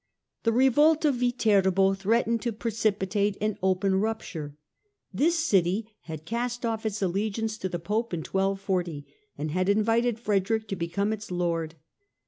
The revolt of Viterbo threatened to precipitate an open rupture. This city had cast off its allegiance to the Pope in 1240 and had invited Frederick to become its Lord.